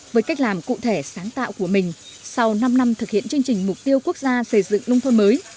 với cách làm cụ thể sáng tạo của mình sau năm năm thực hiện chương trình mục tiêu quốc gia xây dựng nông thôn mới